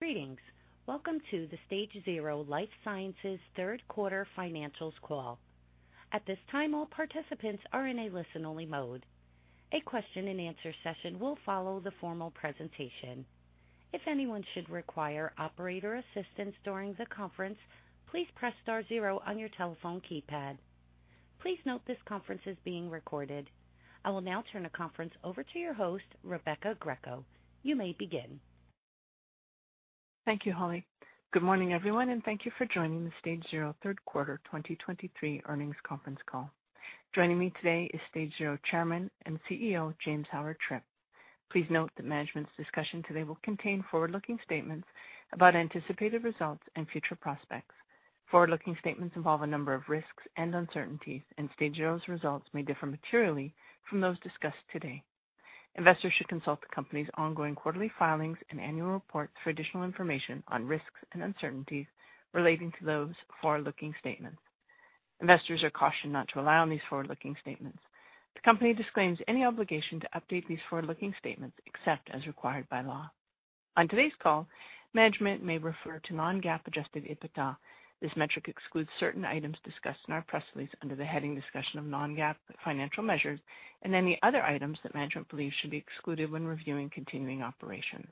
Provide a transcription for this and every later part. Greetings. Welcome to the StageZero Life Sciences third quarter financials call. At this time, all participants are in a listen-only mode. A question-and-answer session will follow the formal presentation. If anyone should require operator assistance during the conference, please press star zero on your telephone keypad. Please note this conference is being recorded. I will now turn the conference over to your host, Rebecca Greco. You may begin. Thank you, Holly. Good morning, everyone, and thank you for joining the StageZero third quarter 2023 earnings conference call. Joining me today is StageZero Chairman and CEO, James Howard-Tripp. Please note that management's discussion today will contain forward-looking statements about anticipated results and future prospects. Forward-looking statements involve a number of risks and uncertainties, and StageZero's results may differ materially from those discussed today. Investors should consult the company's ongoing quarterly filings and annual reports for additional information on risks and uncertainties relating to those forward-looking statements. Investors are cautioned not to rely on these forward-looking statements. The company disclaims any obligation to update these forward-looking statements except as required by law. On today's call, management may refer to non-GAAP adjusted EBITDA. This metric excludes certain items discussed in our press release under the heading Discussion of Non-GAAP Financial Measures, and any other items that management believes should be excluded when reviewing continuing operations.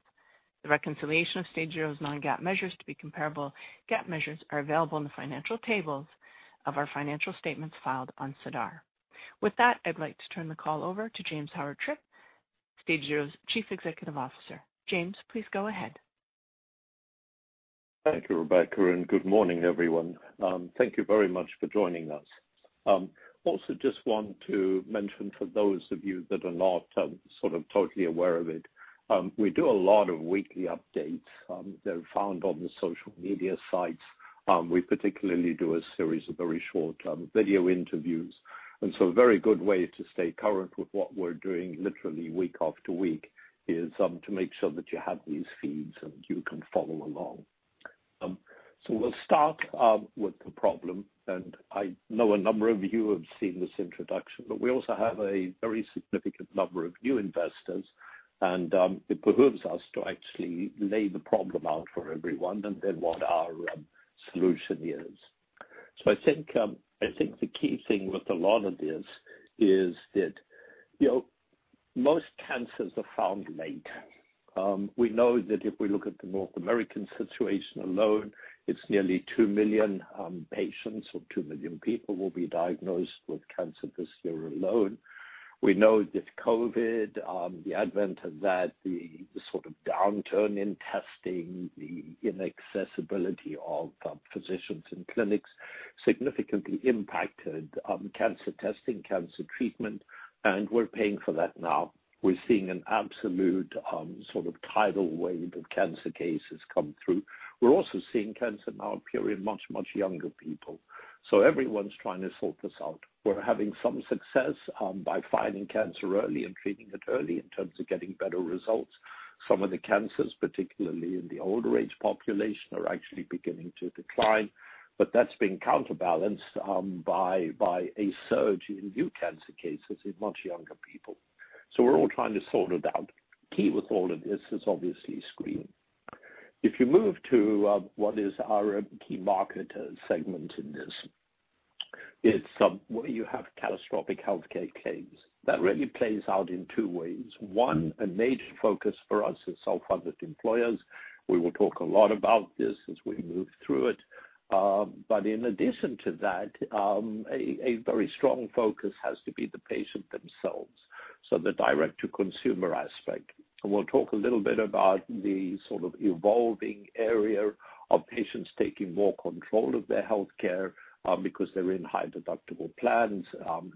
The reconciliation of StageZero's non-GAAP measures to be comparable GAAP measures are available in the financial tables of our financial statements filed on SEDAR. With that, I'd like to turn the call over to James Howard-Tripp, StageZero's Chief Executive Officer. James, please go ahead. Thank you, Rebecca, and good morning, everyone. Thank you very much for joining us. Also just want to mention, for those of you that are not sort of totally aware of it, we do a lot of weekly updates. They're found on the social media sites. We particularly do a series of very short video interviews, and so a very good way to stay current with what we're doing literally week after week is to make sure that you have these feeds and you can follow along. So we'll start with the problem, and I know a number of you have seen this introduction, but we also have a very significant number of new investors, and it behooves us to actually lay the problem out for everyone and then what our solution is. So I think the key thing with a lot of this is that, you know, most cancers are found late. We know that if we look at the North American situation alone, it's nearly two million patients or two million people will be diagnosed with cancer this year alone. We know that COVID, the advent of that, the sort of downturn in testing, the inaccessibility of physicians and clinics, significantly impacted cancer testing, cancer treatment, and we're paying for that now. We're seeing an absolute sort of tidal wave of cancer cases come through. We're also seeing cancer now appear in much, much younger people. So everyone's trying to sort this out. We're having some success by finding cancer early and treating it early in terms of getting better results. Some of the cancers, particularly in the older age population, are actually beginning to decline, but that's been counterbalanced by a surge in new cancer cases in much younger people. So we're all trying to sort it out. Key with all of this is obviously screening. If you move to what is our key market segment in this, it's where you have catastrophic healthcare claims. That really plays out in two ways. One, a major focus for us is self-funded employers. We will talk a lot about this as we move through it. But in addition to that, a very strong focus has to be the patient themselves, so the direct-to-consumer aspect. And we'll talk a little bit about the sort of evolving area of patients taking more control of their healthcare because they're in high-deductible plans.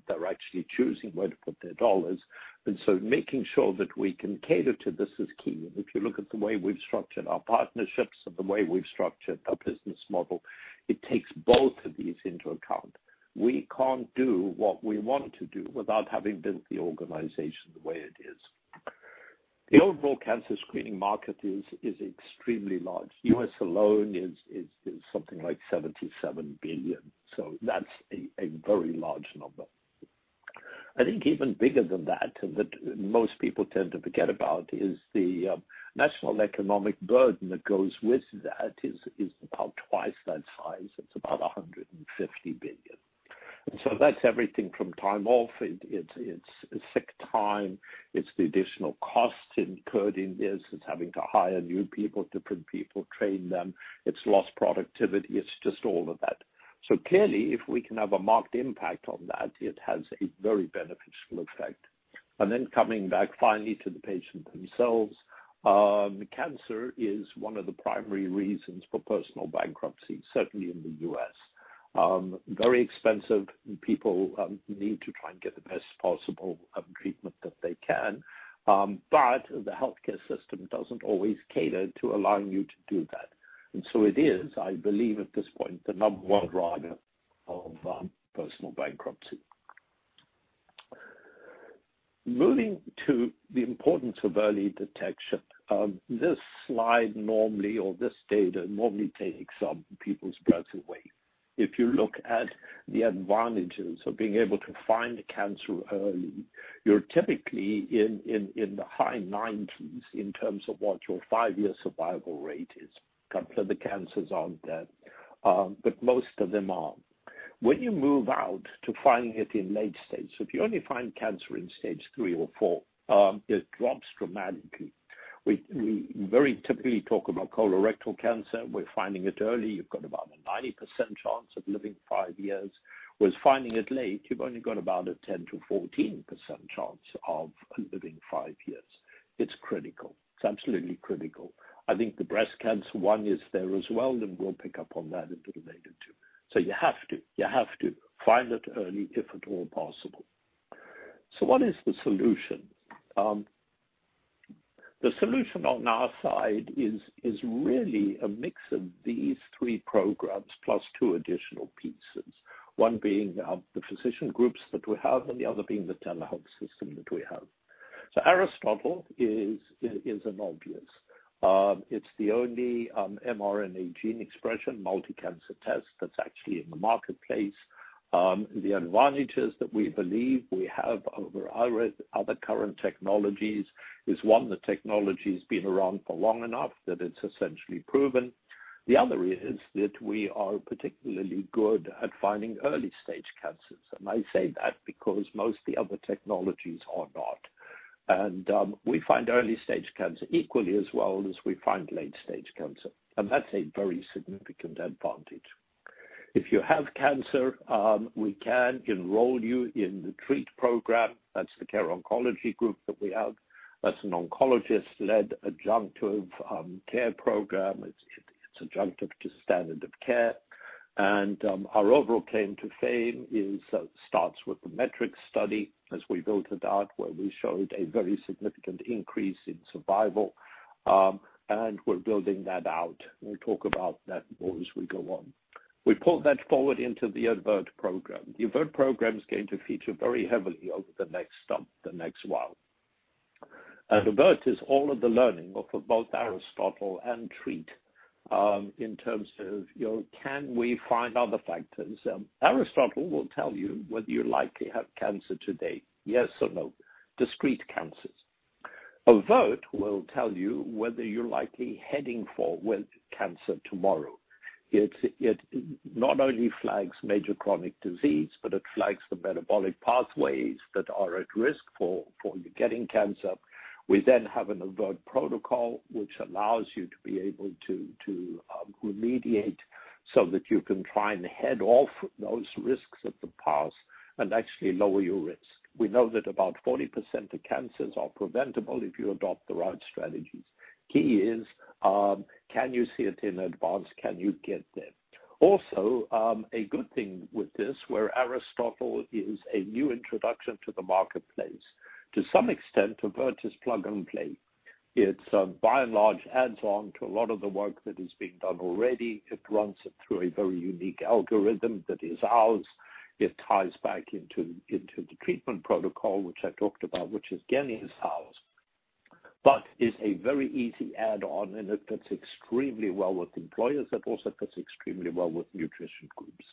They're actually choosing where to put their dollars, and so making sure that we can cater to this is key. If you look at the way we've structured our partnerships and the way we've structured our business model, it takes both of these into account. We can't do what we want to do without having built the organization the way it is. The overall cancer screening market is extremely large. U.S. alone is something like $77 billion, so that's a very large number. I think even bigger than that, that most people tend to forget about, is the national economic burden that goes with that is about twice that size. It's about $150 billion. So that's everything from time off, it's sick time, it's the additional cost incurred in this. It's having to hire new people, different people, train them. It's lost productivity. It's just all of that. So clearly, if we can have a marked impact on that, it has a very beneficial effect. And then coming back finally to the patient themselves, cancer is one of the primary reasons for personal bankruptcy, certainly in the U.S. Very expensive, and people need to try and get the best possible treatment that they can. But the healthcare system doesn't always cater to allowing you to do that, and so it is, I believe, at this point, the number one driver of personal bankruptcy. Moving to the importance of early detection, this slide normally or this data normally takes people's breaths away. If you look at the advantages of being able to find the cancer early, you're typically in the high 90% in terms of what your five-year survival rate is. Couple of the cancers aren't there, but most of them are. When you move out to finding it in late stage, so if you only find cancer in stage three or four, it drops dramatically. We very typically talk about colorectal cancer. We're finding it early. You've got about a 90% chance of living five years, whereas finding it late, you've only got about a 10%-14% chance of living five years. It's critical. It's absolutely critical. I think the breast cancer one is there as well, and we'll pick up on that a little later, too. So you have to, you have to find it early, if at all possible. So what is the solution? The solution on our side is really a mix of these three programs, plus two additional pieces. One being the physician groups that we have, and the other being the telehealth system that we have. So Aristotle is an obvious. It's the only mRNA gene expression, multi-cancer test that's actually in the marketplace. The advantages that we believe we have over other current technologies is, one, the technology's been around for long enough that it's essentially proven. The other is that we are particularly good at finding early-stage cancers, and I say that because most of the other technologies are not. And we find early-stage cancer equally as well as we find late-stage cancer, and that's a very significant advantage. If you have cancer, we can enroll you in the TREAT program. That's the Care Oncology Group that we have. That's an oncologist-led adjunctive care program. It's, it's adjunctive to standard of care. And our overall claim to fame starts with the METRICS study as we built it out, where we showed a very significant increase in survival, and we're building that out. We'll talk about that more as we go on. We pulled that forward into the AVRT program. The AVRT program is going to feature very heavily over the next stump, the next while. And AVRT is all of the learning of both Aristotle and TREAT in terms of, you know, can we find other factors? Aristotle will tell you whether you likely have cancer today, yes or no, discrete cancers. AVRT will tell you whether you're likely heading for with cancer tomorrow. It not only flags major chronic disease, but it flags the metabolic pathways that are at risk for, for you getting cancer. We then have an AVRT protocol, which allows you to be able to, to, remediate so that you can try and head off those risks at the pass and actually lower your risk. We know that about 40% of cancers are preventable if you adopt the right strategies. Key is, can you see it in advance? Can you get there? Also, a good thing with this, where Aristotle is a new introduction to the marketplace, to some extent, AVRT is plug and play. It, by and large, adds on to a lot of the work that is being done already. It runs it through a very unique algorithm that is ours. It ties back into, into the treatment protocol, which I talked about, which, again, is ours, but is a very easy add-on, and it fits extremely well with employers. It also fits extremely well with nutrition groups.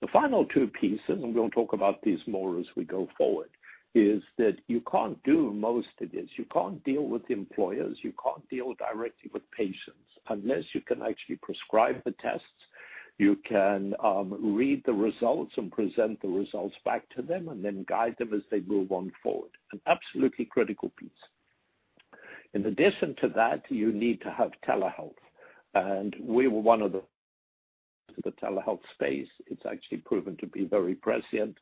The final two pieces, and we'll talk about these more as we go forward, is that you can't do most of this. You can't deal with the employers, you can't deal directly with patients, unless you can actually prescribe the tests, you can, read the results and present the results back to them, and then guide them as they move on forward. An absolutely critical piece. In addition to that, you need to have telehealth, and we were one of the telehealth space. It's actually proven to be very prescient,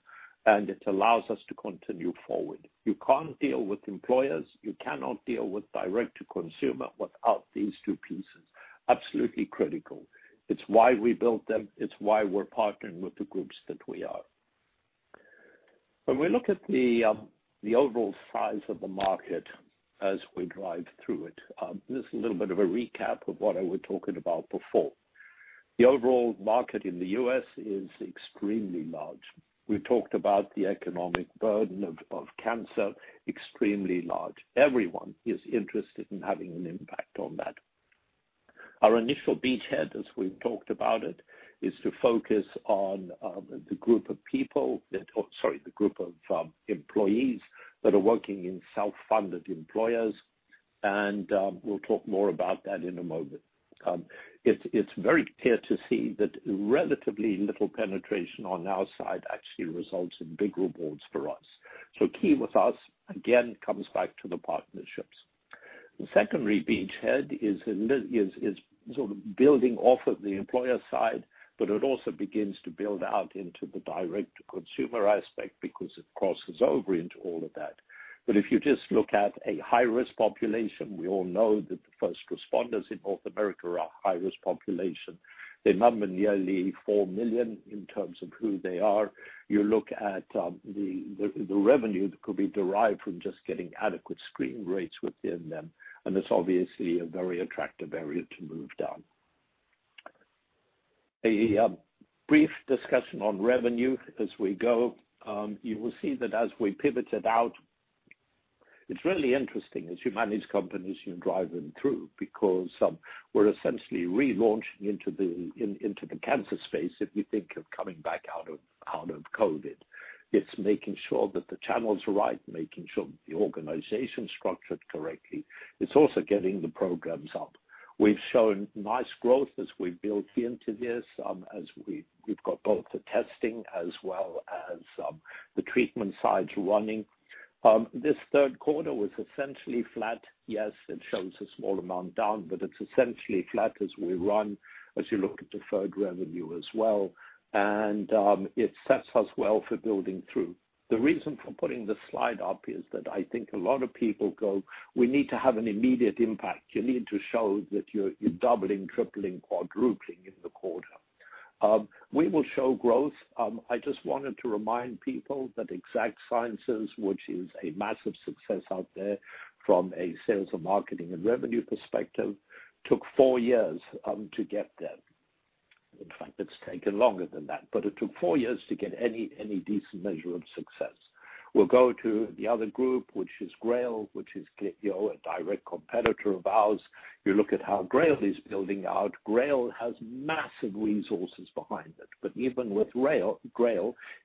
and it allows us to continue forward. You can't deal with employers, you cannot deal with direct to consumer without these two pieces. Absolutely critical. It's why we built them. It's why we're partnering with the groups that we are. When we look at the overall size of the market as we drive through it, this is a little bit of a recap of what I was talking about before. The overall market in the U.S. is extremely large. We talked about the economic burden of cancer, extremely large. Everyone is interested in having an impact on that. Our initial beachhead, as we've talked about it, is to focus on the group of people that... Sorry, the group of employees that are working in self-funded employers, and we'll talk more about that in a moment. It's very clear to see that relatively little penetration on our side actually results in big rewards for us. So key with us, again, comes back to the partnerships. The secondary beachhead is sort of building off of the employer side, but it also begins to build out into the direct-to-consumer aspect because it crosses over into all of that. But if you just look at a high-risk population, we all know that the first responders in North America are a high-risk population. The number nearly four million in terms of who they are. You look at the revenue that could be derived from just getting adequate screen rates within them, and it's obviously a very attractive area to move down. Brief discussion on revenue as we go. You will see that as we pivoted out. It's really interesting, as you manage companies, you drive them through, because we're essentially relaunching into the cancer space if you think of coming back out of COVID. It's making sure that the channel's right, making sure that the organization's structured correctly. It's also getting the programs up. We've shown nice growth as we've built into this, as we've got both the testing as well as the treatment sides running. This third quarter was essentially flat. Yes, it shows a small amount down, but it's essentially flat as we run, as you look at deferred revenue as well. It sets us well for building through. The reason for putting this slide up is that I think a lot of people go, "We need to have an immediate impact." You need to show that you're doubling, tripling, quadrupling in the quarter. We will show growth. I just wanted to remind people that Exact Sciences, which is a massive success out there from a sales and marketing and revenue perspective, took four years to get there. In fact, it's taken longer than that. But it took four years to get any decent measure of success. We'll go to the other group, which is Grail, which is, you know, a direct competitor of ours. You look at how Grail is building out. Grail has massive resources behind it, but even with Grail,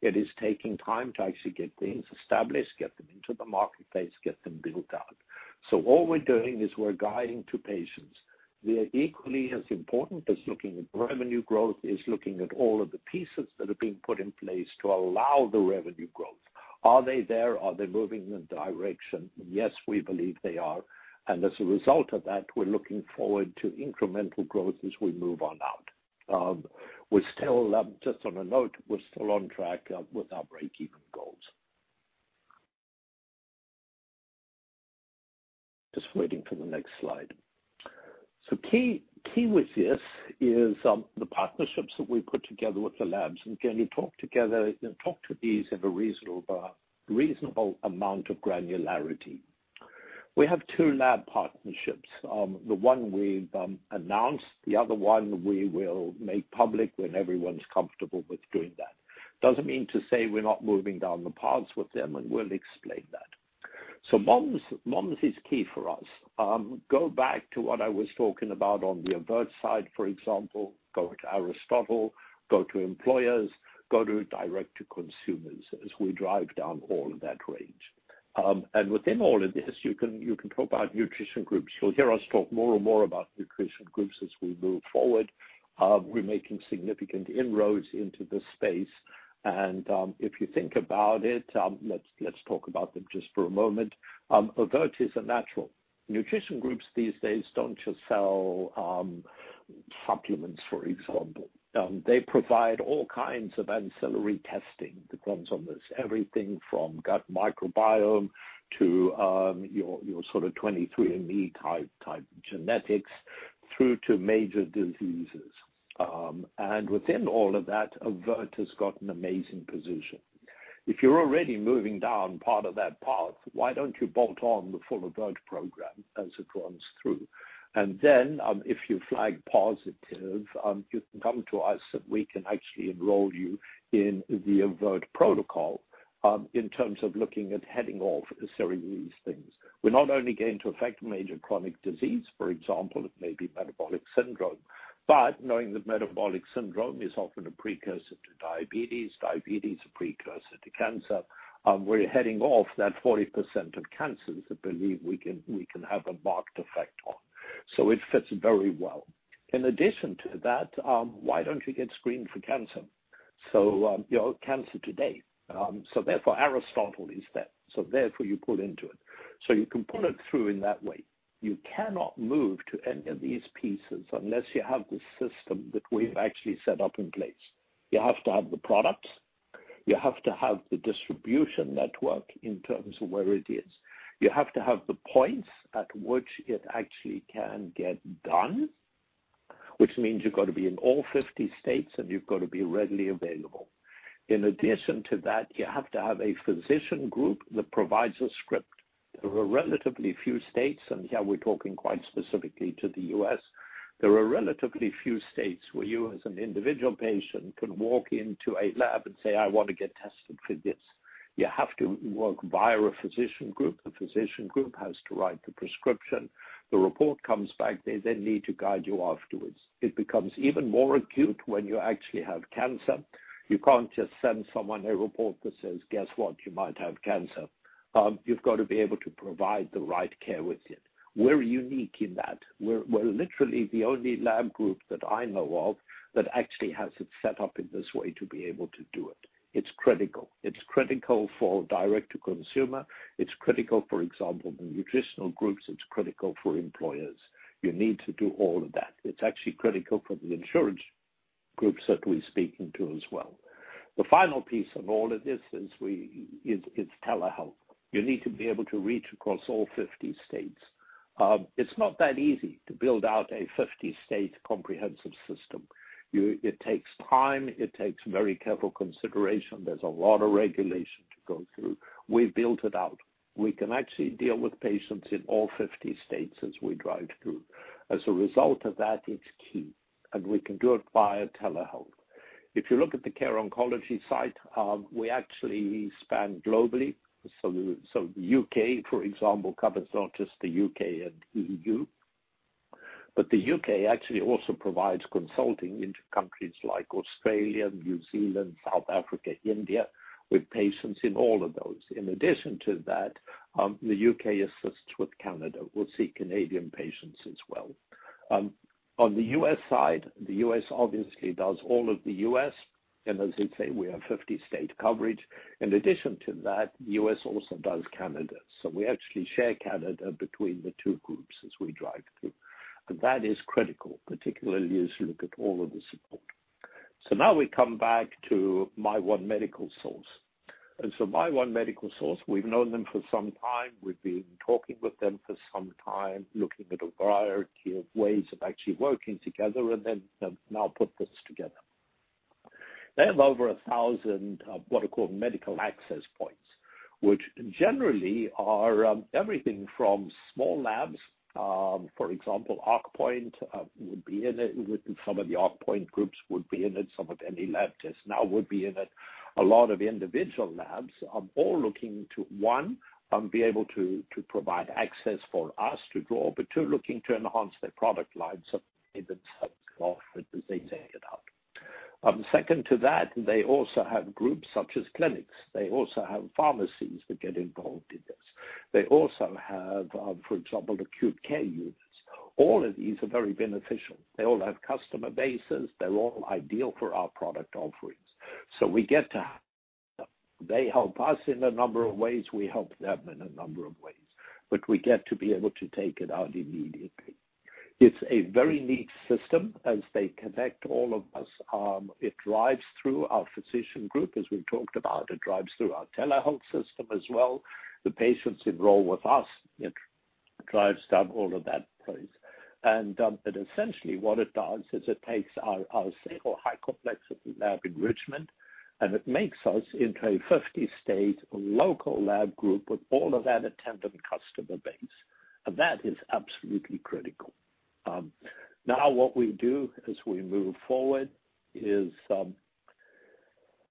it is taking time to actually get things established, get them into the marketplace, get them built out. So all we're doing is we're guiding to patients. We are equally as important as looking at revenue growth, is looking at all of the pieces that are being put in place to allow the revenue growth. Are they there? Are they moving in the direction? Yes, we believe they are, and as a result of that, we're looking forward to incremental growth as we move on out. We're still, just on a note, we're still on track with our breakeven goals. Just waiting for the next slide. So key with this is the partnerships that we put together with the labs, and can you talk to these at a reasonable amount of granularity? We have two lab partnerships. The one we've announced, the other one we will make public when everyone's comfortable with doing that. Doesn't mean to say we're not moving down the paths with them, and we'll explain that. So MOMS, MOMS is key for us. Go back to what I was talking about on the AVRT side, for example, go to Aristotle, go to employers, go to direct to consumers as we drive down all of that range. And within all of this, you can, you can talk about nutrition groups. You'll hear us talk more and more about nutrition groups as we move forward. We're making significant inroads into this space, and, if you think about it, let's talk about them just for a moment. AVRT is a natural. Nutrition groups these days don't just sell supplements, for example. They provide all kinds of ancillary testing that runs on this. Everything from gut microbiome to, your, your sort of 23andMe type, type genetics, through to major diseases. And within all of that, AVRT has got an amazing position. If you're already moving down part of that path, why don't you bolt on the full AVRT program as it runs through? And then, if you flag positive, you can come to us, and we can actually enroll you in the AVRT protocol, in terms of looking at heading off a series of these things. We're not only going to affect major chronic disease, for example, it may be metabolic syndrome, but knowing that metabolic syndrome is often a precursor to diabetes, diabetes a precursor to cancer, we're heading off that 40% of cancers I believe we can, we can have a marked effect on. So it fits very well. In addition to that, why don't you get screened for cancer? So, you know, cancer today. So therefore, Aristotle is there. So therefore, you pull into it. So you can pull it through in that way. You cannot move to any of these pieces unless you have the system that we've actually set up in place. You have to have the products. You have to have the distribution network in terms of where it is. You have to have the points at which it actually can get done, which means you've got to be in all 50 states, and you've got to be readily available. In addition to that, you have to have a physician group that provides a script. There are relatively few states, and here we're talking quite specifically to the U.S., there are relatively few states where you, as an individual patient, can walk into a lab and say, "I want to get tested for this." You have to work via a physician group. The physician group has to write the prescription. The report comes back. They then need to guide you afterwards. It becomes even more acute when you actually have cancer. You can't just send someone a report that says, "Guess what? You might have cancer." You've got to be able to provide the right care with it. We're unique in that. We're, we're literally the only lab group that I know of that actually has it set up in this way to be able to do it. It's critical. It's critical for direct to consumer. It's critical, for example, the nutritional groups, it's critical for employers. You need to do all of that. It's actually critical for the insurance groups that we're speaking to as well. The final piece of all of this is, it's telehealth. You need to be able to reach across all 50 states. It's not that easy to build out a 50-state comprehensive system. It takes time. It takes very careful consideration. There's a lot of regulation to go through. We've built it out. We can actually deal with patients in all 50 states as we drive through. As a result of that, it's key, and we can do it via telehealth. If you look at the Care Oncology side, we actually span globally. So the U.K., for example, covers not just the U.K. and EU, but the U.K. actually also provides consulting into countries like Australia, New Zealand, South Africa, India, with patients in all of those. In addition to that, the U.K. assists with Canada. We'll see Canadian patients as well. On the U.S. side, the U.S. obviously does all of the U.S., and as I say, we have 50 state coverage. In addition to that, the U.S. also does Canada. So we actually share Canada between the two groups as we drive through. And that is critical, particularly as you look at all of the support. So now we come back to MyOne Medical Source. And so MyOne Medical Source, we've known them for some time. We've been talking with them for some time, looking at a variety of ways of actually working together and then have now put this together. They have over 1,000, what are called Medical Access Points, which generally are everything from small labs, for example, ARCpoint, would be in it. Some of the ARCpoint groups would be in it, some of Any Lab Test Now would be in it. A lot of individual labs are all looking to, one, be able to, to provide access for us to draw, but two, looking to enhance their product lines of.... Second to that, they also have groups such as clinics. They also have pharmacies that get involved in this. They also have, for example, acute care units. All of these are very beneficial. They all have customer bases; they're all ideal for our product offerings. So we get to... They help us in a number of ways, we help them in a number of ways, but we get to be able to take it out immediately. It's a very neat system, as they connect all of us. It drives through our physician group, as we talked about, it drives through our telehealth system as well. The patients enroll with us. It drives down all of that place. And, but essentially what it does is it takes our say, or high complexity lab enrichment, and it makes us into a 50-state local lab group with all of that attendant customer base. And that is absolutely critical. Now what we do as we move forward is,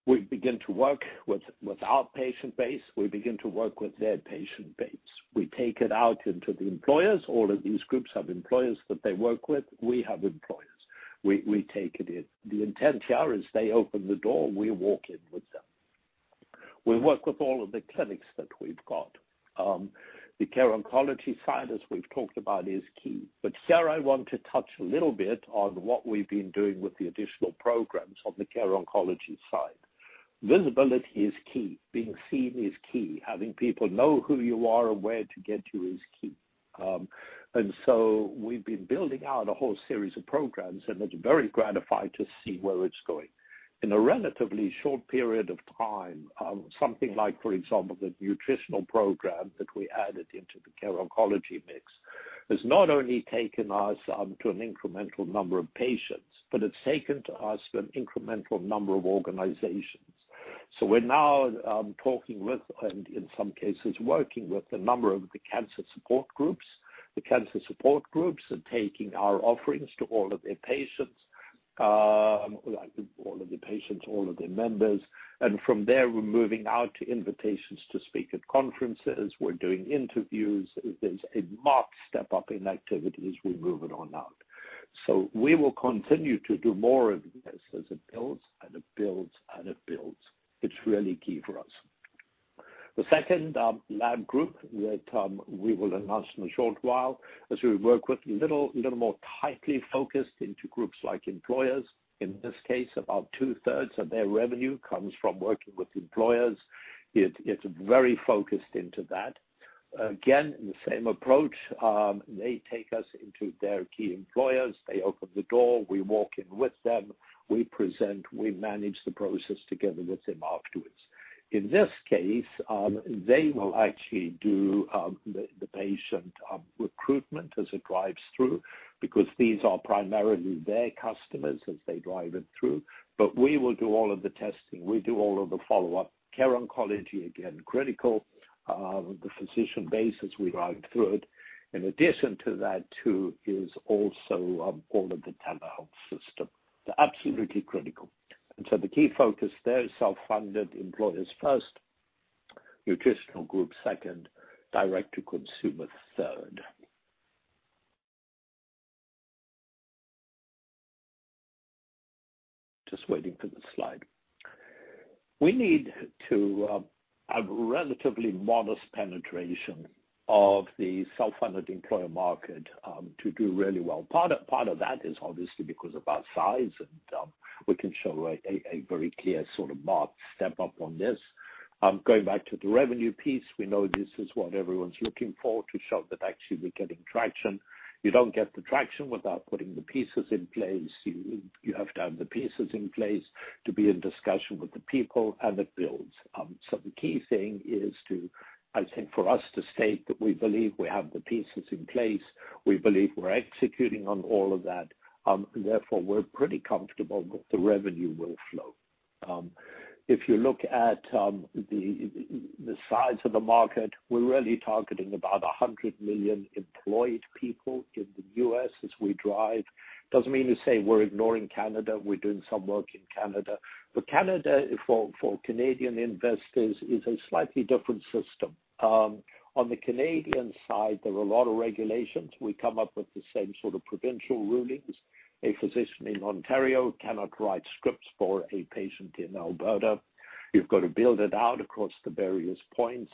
we begin to work with our patient base, we begin to work with their patient base. We take it out into the employers. All of these groups have employers that they work with. We have employers. We take it in. The intent here is they open the door, we walk in with them. We work with all of the clinics that we've got. The Care Oncology side, as we've talked about, is key. But here I want to touch a little bit on what we've been doing with the additional programs on the Care Oncology side. Visibility is key. Being seen is key. Having people know who you are and where to get you is key. And so we've been building out a whole series of programs, and it's very gratifying to see where it's going. In a relatively short period of time, something like, for example, the nutritional program that we added into the Care Oncology mix, has not only taken us, to an incremental number of patients, but it's taken to us an incremental number of organizations. So we're now, talking with, and in some cases, working with a number of the cancer support groups. The cancer support groups are taking our offerings to all of their patients, like all of the patients, all of their members. And from there, we're moving out to invitations to speak at conferences. We're doing interviews. There's a marked step up in activities, we're moving on out. So we will continue to do more of this as it builds and it builds and it builds. It's really key for us. The second lab group that we will announce in a short while, as we work with little more tightly focused into groups like employers. In this case, about two-thirds of their revenue comes from working with employers. It's very focused into that. Again, the same approach, they take us into their key employers, they open the door, we walk in with them, we present, we manage the process together with them afterwards. In this case, they will actually do the patient recruitment as it drives through, because these are primarily their customers as they drive it through. But we will do all of the testing, we do all of the follow-up. Care Oncology, again, critical, the physician base as we drive through it. In addition to that, too, is also all of the telehealth system. They're absolutely critical. And so the key focus there is self-funded employers first, nutritional group second, direct to consumer, third. Just waiting for the slide. We need to have relatively modest penetration of the self-funded employer market to do really well. Part of that is obviously because of our size, and we can show a very clear sort of marked step up on this. Going back to the revenue piece, we know this is what everyone's looking for to show that actually we're getting traction. You don't get the traction without putting the pieces in place. You have to have the pieces in place to be in discussion with the people, and it builds. So the key thing is to, I think, for us to state that we believe we have the pieces in place. We believe we're executing on all of that. Therefore, we're pretty comfortable that the revenue will flow. If you look at the size of the market, we're really targeting about 100 million employed people in the U.S. as we drive. Doesn't mean to say we're ignoring Canada. We're doing some work in Canada, but Canada, for Canadian investors, is a slightly different system. On the Canadian side, there are a lot of regulations. We come up with the same sort of provincial rulings. A physician in Ontario cannot write scripts for a patient in Alberta. You've got to build it out across the various points.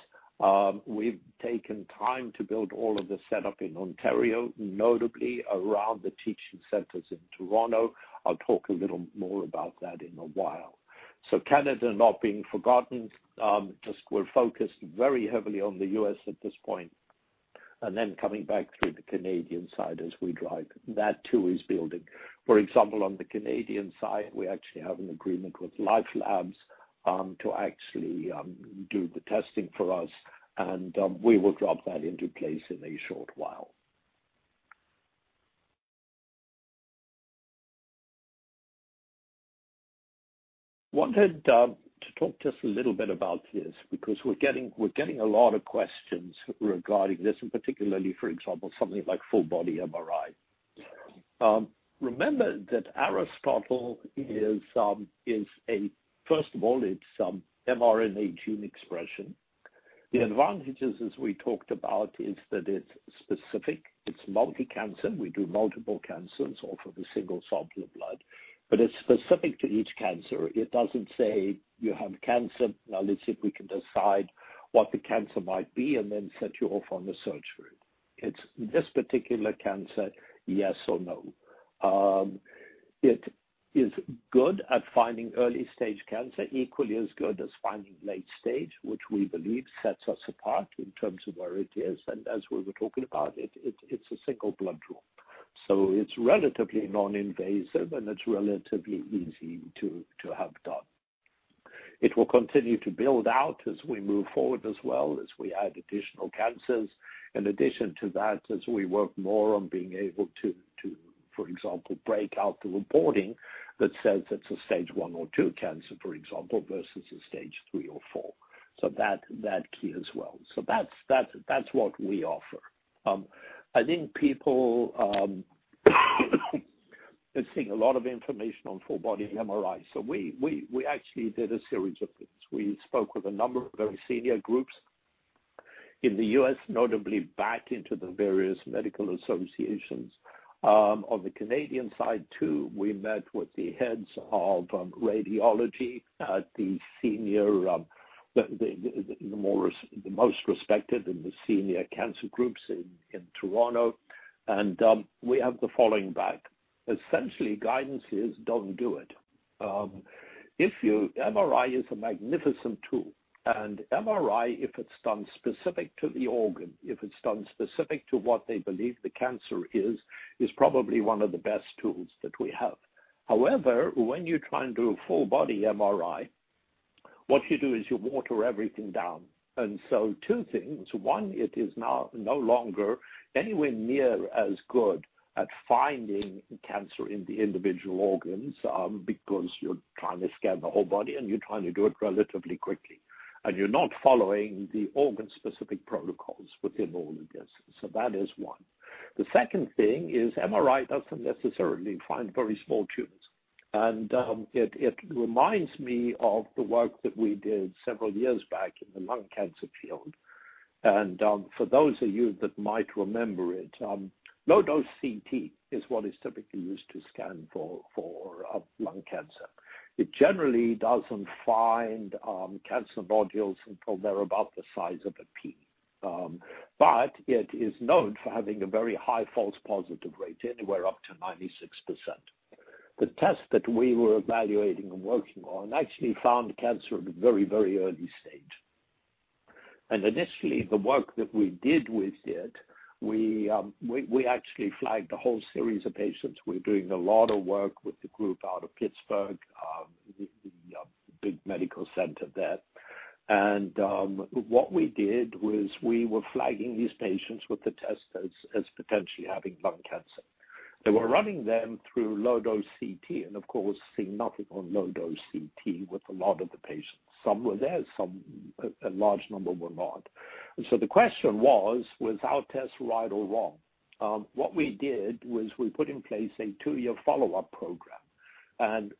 We've taken time to build all of the setup in Ontario, notably around the teaching centers in Toronto. I'll talk a little more about that in a while. So Canada not being forgotten, just we're focused very heavily on the U.S. at this point, and then coming back through the Canadian side as we drive. That, too, is building. For example, on the Canadian side, we actually have an agreement with LifeLabs to actually do the testing for us, and we will drop that into place in a short while. Wanted to talk just a little bit about this because we're getting, we're getting a lot of questions regarding this, and particularly, for example, something like full body MRI. Remember that Aristotle is, is a... First of all, it's mRNA gene expression. The advantages, as we talked about, is that it's specific, it's multi-cancer. We do multiple cancers off of a single sample of blood, but it's specific to each cancer. It doesn't say, you have cancer, now let's see if we can decide what the cancer might be and then set you off on the search for it. It's this particular cancer, yes or no. It is good at finding early-stage cancer, equally as good as finding late stage, which we believe sets us apart in terms of where it is, and as we were talking about it, it, it's a single blood draw. So it's relatively non-invasive, and it's relatively easy to, to have done. It will continue to build out as we move forward, as well as we add additional cancers. In addition to that, as we work more on being able to, for example, break out the reporting that says it's a stage one or two cancer, for example, versus a stage three or four. So that's key as well. So that's what we offer. I think people are seeing a lot of information on full body MRI. So we actually did a series of things. We spoke with a number of very senior groups in the U.S., notably back into the various medical associations. On the Canadian side, too, we met with the heads of radiology at the senior, the most respected in the senior cancer groups in Toronto, and we have the following back. Essentially, guidance is, don't do it. If you... MRI is a magnificent tool, and MRI, if it's done specific to the organ, if it's done specific to what they believe the cancer is, is probably one of the best tools that we have. However, when you try and do a full body MRI, what you do is you water everything down. And so two things: One, it is now no longer anywhere near as good at finding cancer in the individual organs, because you're trying to scan the whole body, and you're trying to do it relatively quickly, and you're not following the organ-specific protocols within all of this. So that is one. The second thing is MRI doesn't necessarily find very small tumors. And, it reminds me of the work that we did several years back in the lung cancer field. For those of you that might remember it, low-dose CT is what is typically used to scan for lung cancer. It generally doesn't find cancer nodules until they're about the size of a pea. But it is known for having a very high false positive rate, anywhere up to 96%. The test that we were evaluating and working on actually found cancer at a very, very early stage. Initially, the work that we did with it, we actually flagged a whole series of patients. We're doing a lot of work with the group out of Pittsburgh, the big medical center there. What we did was we were flagging these patients with the test as potentially having lung cancer. They were running them through low-dose CT, and of course, seeing nothing on low-dose CT with a lot of the patients. Some were there, some, a large number were not. And so the question was, was our test right or wrong? What we did was we put in place a two-year follow-up program, and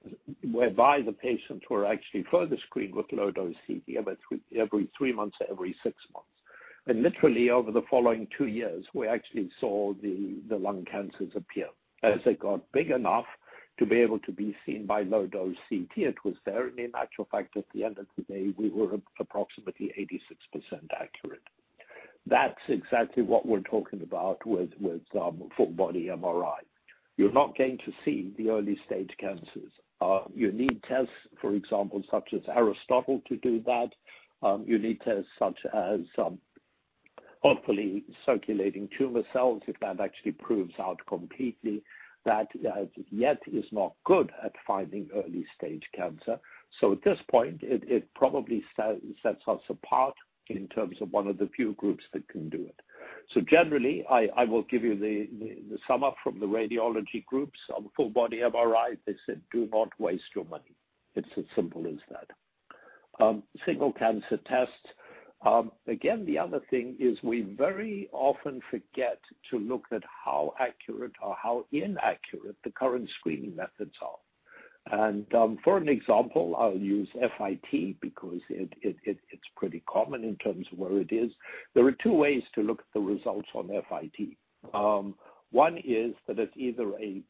whereby the patients were actually further screened with low-dose CT, every three months, every six months. And literally, over the following two years, we actually saw the lung cancers appear. As they got big enough to be able to be seen by low-dose CT, it was there. In actual fact, at the end of the day, we were approximately 86% accurate. That's exactly what we're talking about with full body MRI. You're not going to see the early-stage cancers. You need tests, for example, such as Aristotle, to do that. You need tests such as, hopefully, circulating tumor cells, if that actually proves out completely, that yet is not good at finding early-stage cancer. So at this point, it probably sets us apart in terms of one of the few groups that can do it. So generally, I will give you the sum up from the radiology groups on the full body MRI. They said, "Do not waste your money." It's as simple as that. Single cancer test. Again, the other thing is we very often forget to look at how accurate or how inaccurate the current screening methods are. For an example, I'll use FIT because it's pretty common in terms of where it is. There are two ways to look at the results on FIT. One is that it's either a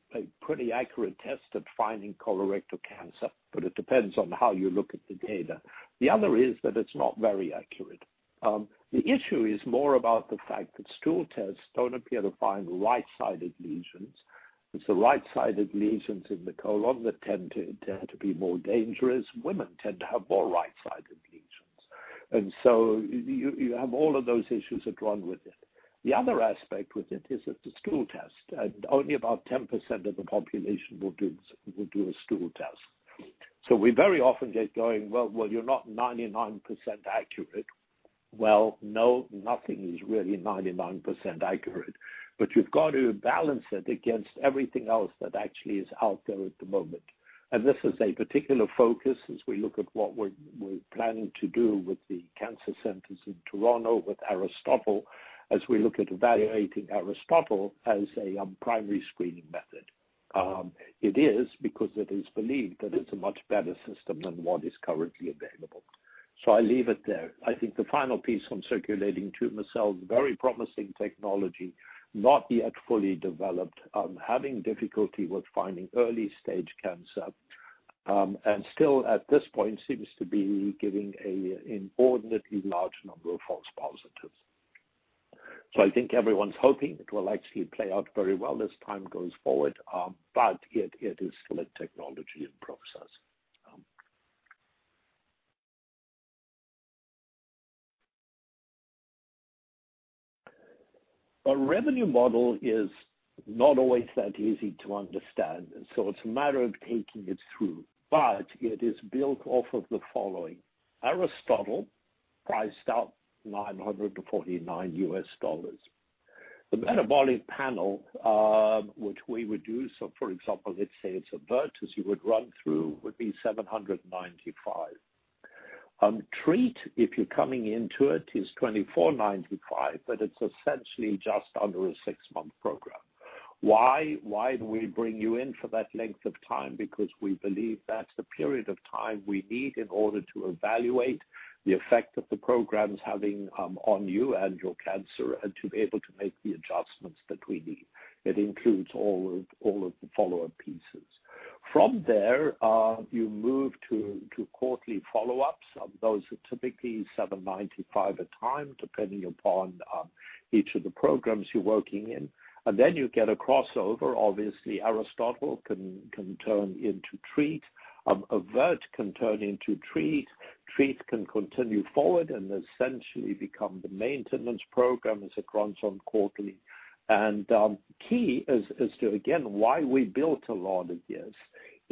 pretty accurate test at finding colorectal cancer, but it depends on how you look at the data. The other is that it's not very accurate. The issue is more about the fact that stool tests don't appear to find right-sided lesions. It's the right-sided lesions in the colon that tend to be more dangerous. Women tend to have more right-sided lesions. And so you have all of those issues that run with it. The other aspect with it is it's a stool test, and only about 10% of the population will do a stool test. So we very often get going, Well, well, you're not 99% accurate. Well, no, nothing is really 99% accurate, but you've got to balance it against everything else that actually is out there at the moment. This is a particular focus as we look at what we're planning to do with the cancer centers in Toronto, with Aristotle, as we look at evaluating Aristotle as a primary screening method. It is because it is believed that it's a much better system than what is currently available. I leave it there. I think the final piece on circulating tumor cells, very promising technology, not yet fully developed, having difficulty with finding early-stage cancer, and still, at this point, seems to be giving an inordinately large number of false positives. So I think everyone's hoping it will actually play out very well as time goes forward, but it, it is still a technology in process. Our revenue model is not always that easy to understand, and so it's a matter of taking it through, but it is built off of the following: Aristotle priced out $949. The metabolic panel, which we would do, so for example, let's say it's AVRT, as you would run through, would be $795. TREAT, if you're coming into it, is $2,495, but it's essentially just under a six-month program. Why? Why do we bring you in for that length of time? Because we believe that's the period of time we need in order to evaluate the effect of the programs having on you and your cancer, and to be able to make the adjustments that we need. It includes all of, all of the follow-up pieces. From there, you move to quarterly follow-ups. Those are typically $795 a time, depending upon each of the programs you're working in. And then you get a crossover. Obviously, Aristotle can turn into TREAT. AVRT can turn into TREAT. TREAT can continue forward and essentially become the maintenance program as it runs on quarterly. And key is to, again, why we built a lot of this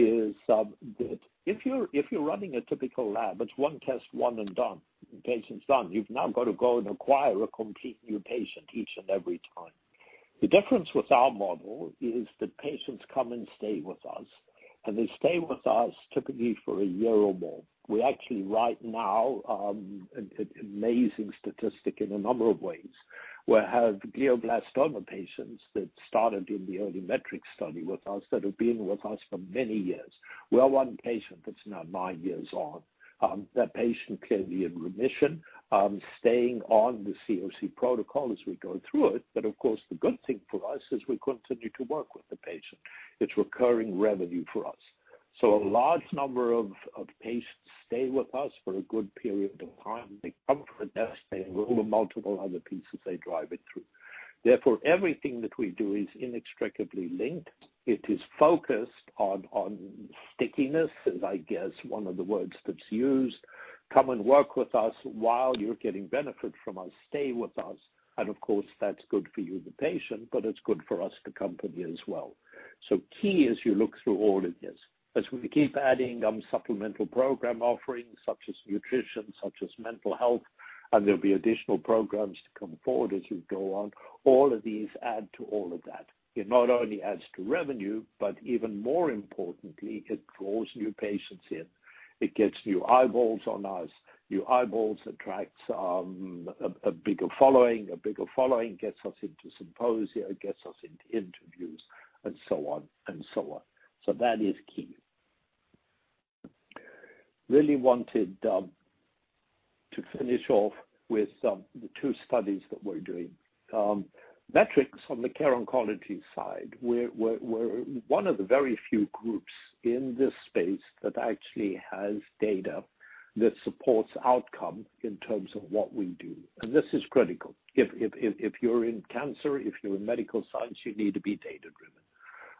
is that if you're running a typical lab, it's one test, one and done. The patient's done. You've now got to go and acquire a complete new patient each and every time. The difference with our model is that patients come and stay with us, and they stay with us typically for a year or more. We actually, right now, an amazing statistic in a number of ways. We have glioblastoma patients that started in the early METRICS study with us, that have been with us for many years. We have one patient that's now nine years on. That patient clearly in remission, staying on the COC Protocol as we go through it. But of course, the good thing for us is we continue to work with the patient. It's recurring revenue for us. So a large number of patients stay with us for a good period of time. They come to the desk, they roll the multiple other pieces, they drive it through. Therefore, everything that we do is inextricably linked. It is focused on, on stickiness, is, I guess, one of the words that's used. Come and work with us while you're getting benefit from us, stay with us. And of course, that's good for you, the patient, but it's good for us, the company as well. So key as you look through all of this, as we keep adding, supplemental program offerings such as nutrition, such as mental health, and there'll be additional programs to come forward as we go on, all of these add to all of that. It not only adds to revenue, but even more importantly, it draws new patients in. It gets new eyeballs on us. New eyeballs attracts a bigger following. A bigger following gets us into symposia. It gets us into interviews and so on and so on. So that is key. Really wanted to finish off with the two studies that we're doing. METRICS on the Care Oncology side, we're one of the very few groups in this space that actually has data that supports outcome in terms of what we do, and this is critical. If you're in cancer, if you're in medical science, you need to be data-driven.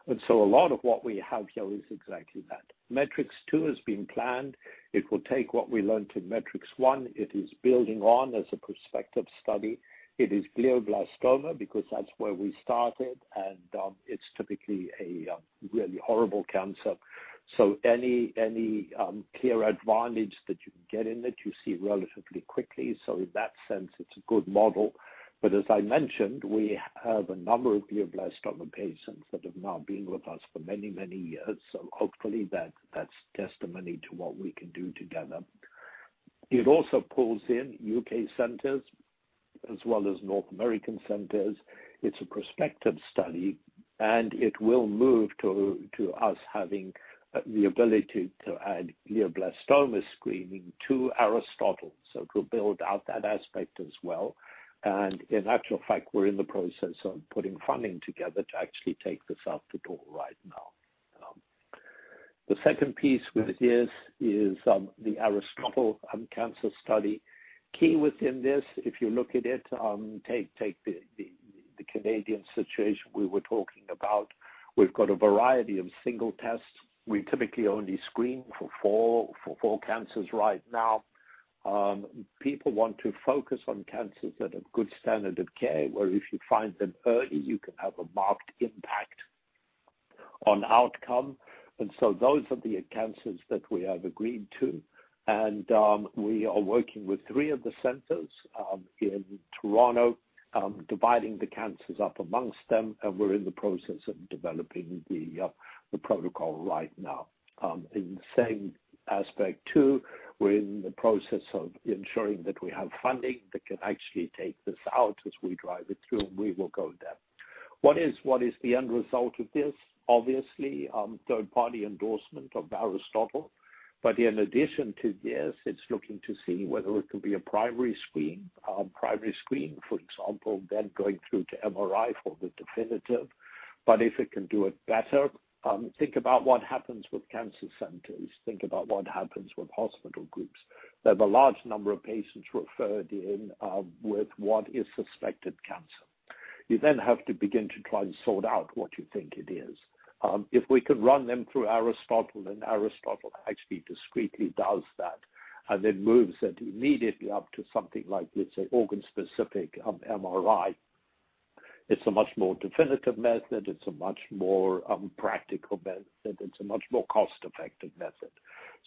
And so a lot of what we have here is exactly that. METRICS II has been planned. It will take what we learned in METRICS I. It is building on as a prospective study. It is glioblastoma because that's where we started, and it's typically a really horrible cancer. So any clear advantage that you can get in it, you see relatively quickly. So in that sense, it's a good model. But as I mentioned, we have a number of glioblastoma patients that have now been with us for many, many years. So hopefully that's testimony to what we can do together. It also pulls in U.K. centers as well as North American centers. It's a prospective study, and it will move to us having the ability to add glioblastoma screening to Aristotle. So it will build out that aspect as well. And in actual fact, we're in the process of putting funding together to actually take this out the door right now. The second piece with this is the Aristotle Cancer Study. Key within this, if you look at it, take the Canadian situation we were talking about. We've got a variety of single tests. We typically only screen for four, for four cancers right now. People want to focus on cancers that have good standard of care, where if you find them early, you can have a marked impact on outcome. And so those are the cancers that we have agreed to. And, we are working with three of the centers, in Toronto, dividing the cancers up amongst them, and we're in the process of developing the protocol right now. In the same aspect, too, we're in the process of ensuring that we have funding that can actually take this out as we drive it through, and we will go there. What is the end result of this? Obviously, third-party endorsement of Aristotle, but in addition to this, it's looking to see whether it could be a primary screen. Primary screen, for example, then going through to MRI for the definitive. But if it can do it better, think about what happens with cancer centers. Think about what happens with hospital groups. They have a large number of patients referred in, with what is suspected cancer. You then have to begin to try and sort out what you think it is. If we could run them through Aristotle, and Aristotle actually discreetly does that, and then moves it immediately up to something like, let's say, organ-specific, MRI. It's a much more definitive method. It's a much more, practical method. It's a much more cost-effective method.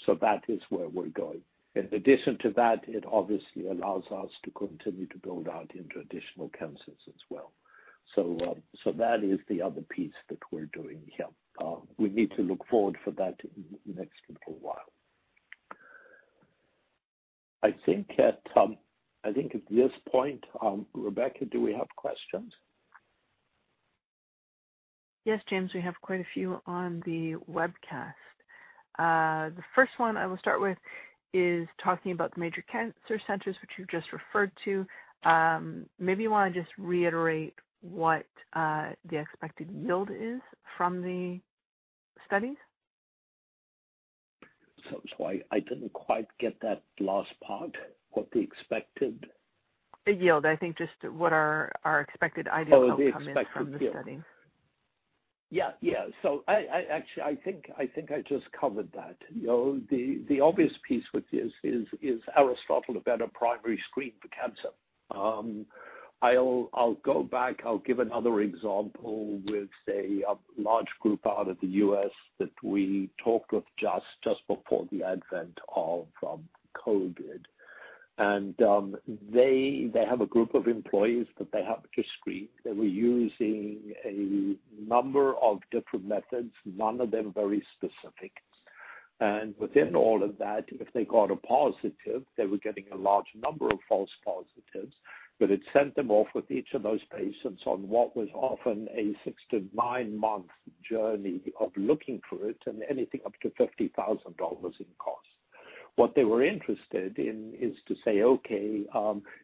So that is where we're going. In addition to that, it obviously allows us to continue to build out into additional cancers as well. So, so that is the other piece that we're doing here. We need to look forward for that in the next little while. I think at, I think at this point, Rebecca, do we have questions? Yes, James, we have quite a few on the webcast. The first one I will start with is talking about the major cancer centers, which you just referred to. Maybe you want to just reiterate what the expected yield is from the studies. So sorry, I didn't quite get that last part. What's the expected? The yield. I think just what are our expected ideal outcome- Oh, the expected yield. From the study. Yeah. Yeah. So I actually, I think I just covered that. You know, the obvious piece with this is, is Aristotle a better primary screen for cancer? I'll go back. I'll give another example with, say, a large group out of the U.S. that we talked with just before the advent of COVID. And they have a group of employees that they have to screen. They were using a number of different methods, none of them very specific. And within all of that, if they got a positive, they were getting a large number of false positives, but it sent them off with each of those patients on what was often a six to nine month journey of looking for it and anything up to $50,000 in cost. What they were interested in is to say, okay,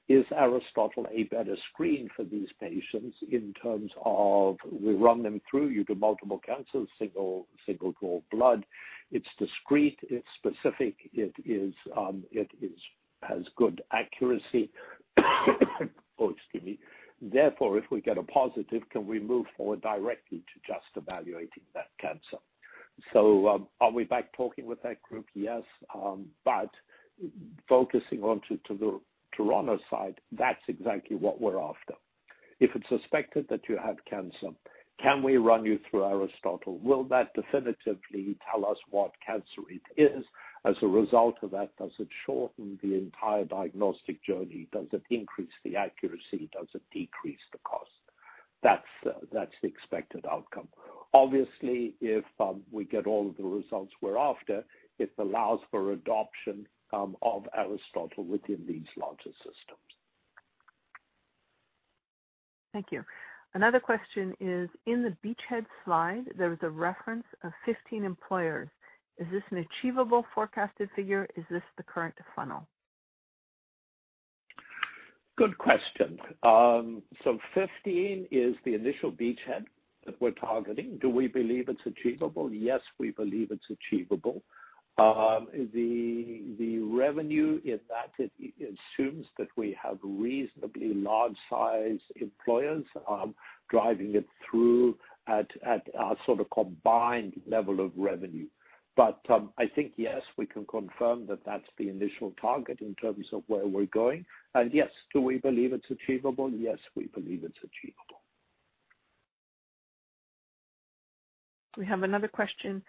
is Aristotle a better screen for these patients in terms of we run them through you do multiple cancers, single, single draw blood. It's discreet, it's specific, it has good accuracy. Oh, excuse me. Therefore, if we get a positive, can we move forward directly to just evaluating that cancer? So, are we back talking with that group? Yes, but focusing on to, to the Toronto side, that's exactly what we're after. If it's suspected that you have cancer, can we run you through Aristotle? Will that definitively tell us what cancer it is? As a result of that, does it shorten the entire diagnostic journey? Does it increase the accuracy? Does it decrease the cost? That's the expected outcome. Obviously, if we get all of the results we're after, it allows for adoption of Aristotle within these larger systems. Thank you. Another question is, in the beachhead slide, there was a reference of 15 employers. Is this an achievable forecasted figure? Is this the current funnel? Good question. So 15 is the initial beachhead that we're targeting. Do we believe it's achievable? Yes, we believe it's achievable. The revenue in that it assumes that we have reasonably large-sized employers driving it through at a sort of combined level of revenue. But I think, yes, we can confirm that that's the initial target in terms of where we're going. And yes, do we believe it's achievable? Yes, we believe it's achievable. We have another question.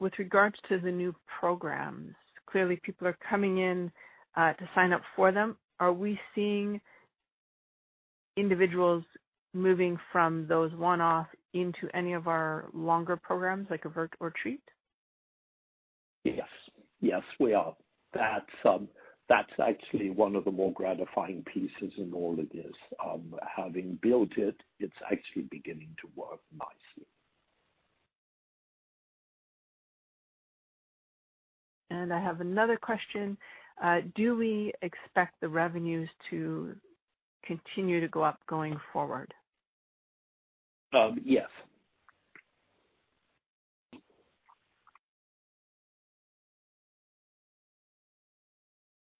With regards to the new programs, clearly, people are coming in to sign up for them. Are we seeing... individuals moving from those one-off into any of our longer programs, like AVRT or TREAT? Yes. Yes, we are. That's actually one of the more gratifying pieces in all of this. Having built it, it's actually beginning to work nicely. I have another question. Do we expect the revenues to continue to go up going forward? Yes.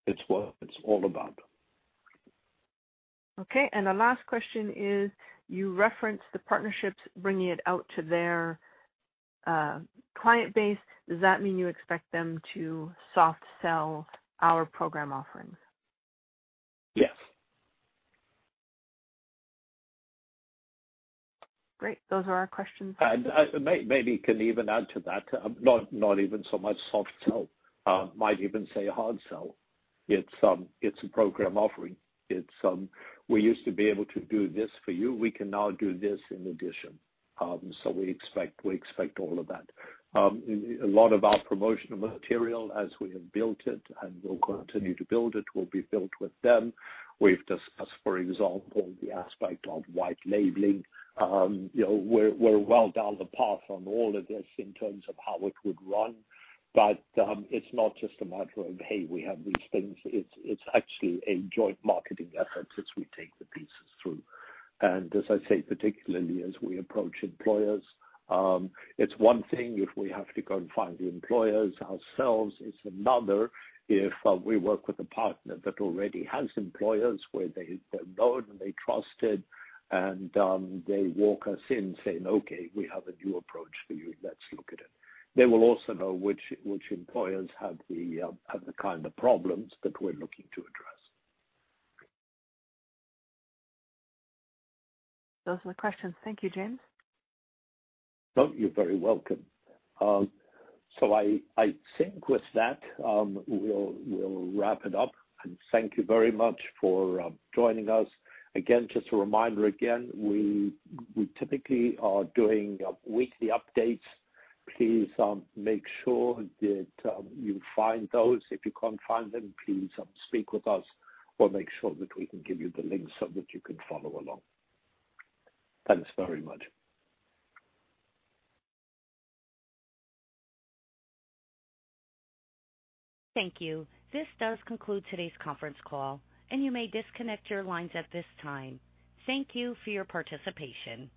It's what it's all about. Okay, and the last question is: you referenced the partnerships bringing it out to their, client base. Does that mean you expect them to soft sell our program offerings? Yes. Great, those are our questions. Maybe can even add to that, not even so much soft sell, might even say hard sell. It's a program offering. It's we used to be able to do this for you. We can now do this in addition. So we expect, we expect all of that. A lot of our promotional material as we have built it, and we'll continue to build it, will be built with them. We've discussed, for example, the aspect of white labeling. You know, we're well down the path on all of this in terms of how it would run. But it's not just a matter of, hey, we have these things. It's actually a joint marketing effort as we take the pieces through. As I say, particularly as we approach employers, it's one thing if we have to go and find the employers ourselves. It's another if we work with a partner that already has employers where they, they're known, and they're trusted, and they walk us in saying, "Okay, we have a new approach for you. Let's look at it." They will also know which employers have the kind of problems that we're looking to address. Those are the questions. Thank you, James. Oh, you're very welcome. So I, I think with that, we'll, we'll wrap it up, and thank you very much for joining us. Again, just a reminder again, we, we typically are doing weekly updates. Please, make sure that you find those. If you can't find them, please, speak with us, we'll make sure that we can give you the links so that you can follow along. Thanks very much. Thank you. This does conclude today's conference call, and you may disconnect your lines at this time. Thank you for your participation.